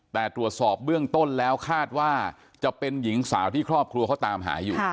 แต่ตรวจสอบเบื้องต้นแล้วคาดว่าจะเป็นหญิงสาวที่ครอบครัวเขาตามหาอยู่